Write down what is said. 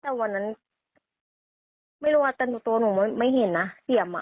แต่วันนั้นไม่รู้อ่ะแต่ตัวหนูไม่เห็นนะเสี่ยมอ่ะ